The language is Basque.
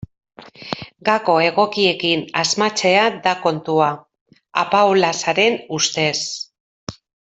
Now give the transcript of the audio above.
Gako egokiekin asmatzea da kontua, Apaolazaren ustez.